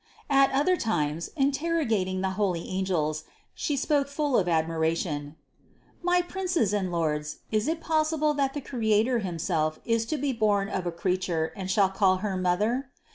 At other times, interrogating the holy angels, She spoke full of admira tion : "My princes and lords, is it possible that the Creator himself is to be born of a creature and shall call her Mother?